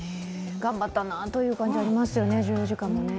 頑張ったなという感じがありますよね、１４時間もね。